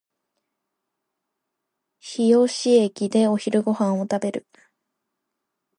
日吉駅でお昼ご飯を食べる